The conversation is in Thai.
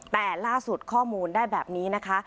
แต่ล่าสุดข้อมูลได้แบบนี้นะคะ